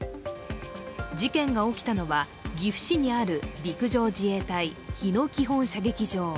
事件が起きたのは岐阜市にある陸上自衛隊・日野基本射撃場。